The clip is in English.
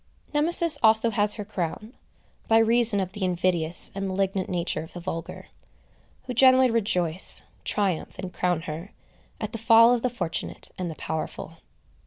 Nemesis also has her crown, by reason of the invidious and malignant nature of the vulgar, who generally rejoice, triumph, and crown her, at the fall of the fortunate and the powerful.